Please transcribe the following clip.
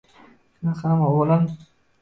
Shunaqami, oʻgʻlim?!